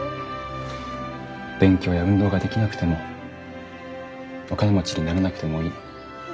勉強や運動ができなくてもお金持ちになれなくてもいい。